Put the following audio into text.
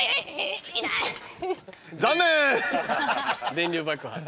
電流爆破。